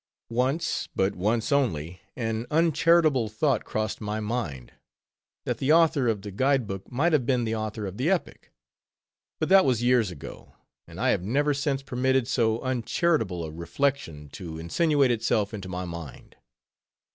_ Once, but once only, an uncharitable thought crossed my mind, that the author of the Guide Book might have been the author of the epic. But that was years ago; and I have never since permitted so uncharitable a reflection to insinuate itself into my mind.